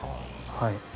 はい。